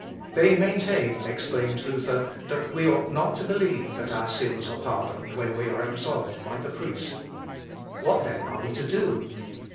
"They maintain," exclaims Luther, "that we ought not to believe that our sins are pardoned when we are absolved by the priest. What then are we to do?